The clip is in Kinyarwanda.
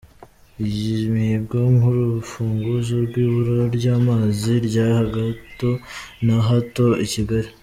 Imihigo nk’urufunguzo rw’ibura ry’amazi rya hato na hato i Kigali.